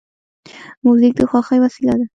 موزیک د خوښۍ وسیله ده.